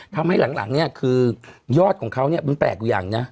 ทำให้หลังเนี่ยคือยอดของเขาเนี่ยมันแปลกอยู่อย่างนะ